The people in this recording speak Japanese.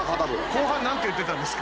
・後半何て言ってたんですか？